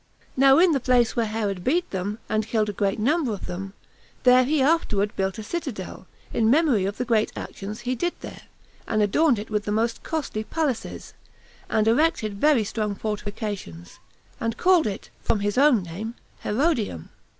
Now in the place where Herod beat them, and killed a great number of them, there he afterward built a citadel, in memory of the great actions he did there, and adorned it with the most costly palaces, and erected very strong fortifications, and called it, from his own name, Herodium.